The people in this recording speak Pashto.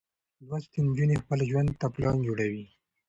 لوستې نجونې خپل ژوند ته پلان جوړوي.